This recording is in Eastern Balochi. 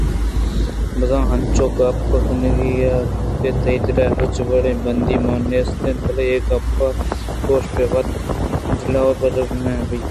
بزاں انچوگپ کنگ ءَ ئے کہ تئی دل ءَ ہچ وڑیں بدی مان نیست بلئے اد ا گپ چوش پہ وت دل ءَ برگ نہ بنت